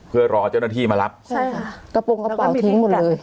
เพื่อรอเจ้าหน้าที่มารับใช่ค่ะกระโปรงกระเป๋าทิ้งหมดเลย